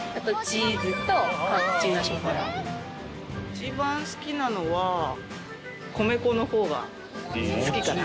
一番好きなのは米粉の方が好きかな。